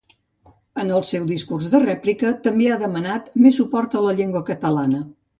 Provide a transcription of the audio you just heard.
En el discurs de rèplica també ha demanat més suport a la llengua catalana.